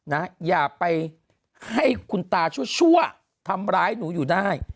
อย่าไปให้คุณตาชั่วทำร้ายหนูอยู่ได้